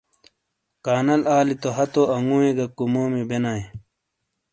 کانل آلی تو ہتو انگوئیے گہ کُمومیئے بینایئے۔